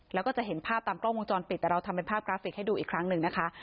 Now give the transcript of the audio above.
แล้วก็จะเห็นภาพตามกล้องวงจรปิดแต่เราทำเป็นภาพกราฟิกให้ดูอีกครั้งหนึ่งนะคะ